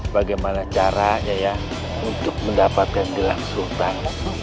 bagaimana caranya ya untuk mendapatkan gelang sultan